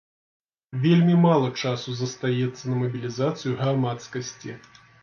Вельмі мала часу застаецца на мабілізацыю грамадскасці.